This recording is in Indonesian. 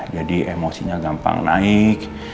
jadi emosinya gampang naik